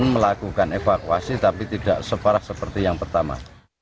melakukan evakuasi tapi tidak separah seperti yang pertama